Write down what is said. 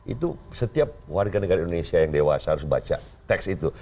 itu setiap warga negara indonesia yang dewasa harus baca teks itu